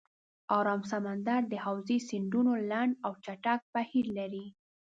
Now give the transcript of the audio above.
آرام سمندر د حوزې سیندونه لنډ او چټک بهیر لري.